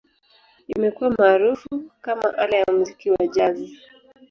Imekuwa maarufu kama ala ya muziki wa Jazz.